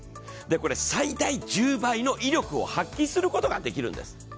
これ最大１０倍の威力を発揮することができるんです。